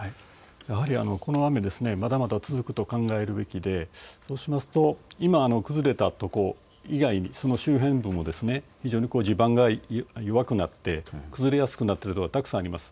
やはりこの雨まだまだ続くと考えるべきで、そうすると今崩れたところ以外にその周辺部も非常に地盤が弱くなって崩れやすくなっているのはたくさんあります。